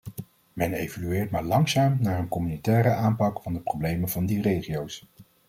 Men evolueert maar langzaam naar een communautaire aanpak van de problemen van die regio's.